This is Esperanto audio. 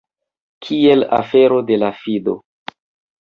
Kiel afero de la fido!